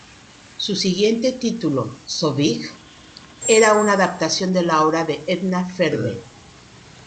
Su siguiente título, "So Big", era una adaptación de la obra de Edna Ferber.